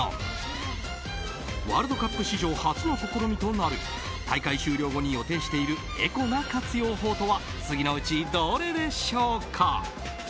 ワールドカップ史上初の試みとなる大会終了後のエコな活用法とは次のうちどれでしょうか。